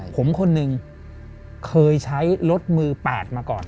ผมคนหนึ่งเคยใช้รถมือ๘มาก่อน